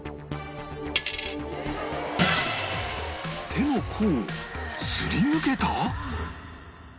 手の甲をすり抜けた！？